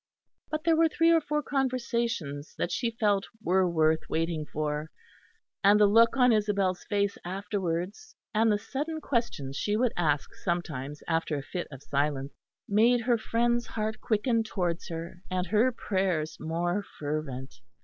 But there were three or four conversations that she felt were worth waiting for; and the look on Isabel's face afterwards, and the sudden questions she would ask sometimes after a fit of silence, made her friend's heart quicken towards her, and her prayers more fervent.